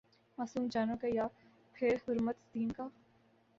معصوم جانوں کا یا پھرحرمت دین کا؟